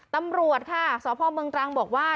ตำรวจค่ะสพเมืองตรังบอกว่า